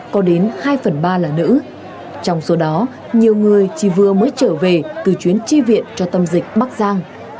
chúng tôi chỉ vừa mới trở về từ chuyến tri viện cho tâm dịch bắc giang